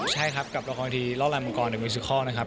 ใช่ครับกับละครวิธีล้อลันบังกรดิวิซิคอลนะครับ